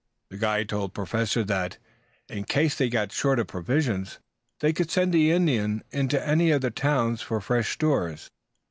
The guide told the Professor that, in case they got short of provisions, they could send the Indian in to any of the towns for fresh stores.